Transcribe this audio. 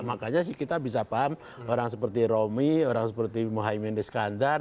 makanya sih kita bisa paham orang seperti romi orang seperti mohaimin iskandar